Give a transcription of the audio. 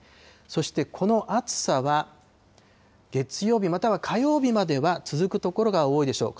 そしてこの暑さは、月曜日、または火曜日までは続く所が多いでしょう。